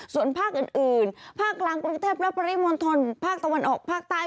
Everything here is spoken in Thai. ส่วนภาคอื่นภาคกลางกรุงเทพและปริมณฑลภาคตะวันออกภาคใต้